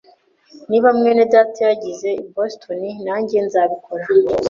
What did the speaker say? Niba mwene data yagiye i Boston, nanjye nzabikora.